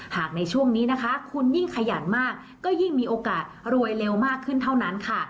หากในช่วงนี้นะคะคุณยิ่งขยันมากก็ยิ่งมีโอกาสรวยเร็วมากขึ้นเท่านั้นค่ะ